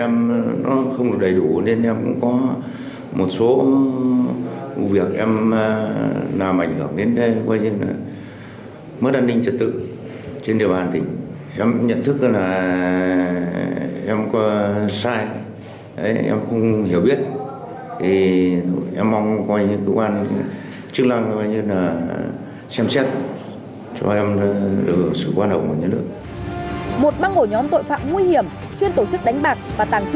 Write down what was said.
một băng ổ nhóm tội phạm nguy hiểm chuyên tổ chức đánh bạc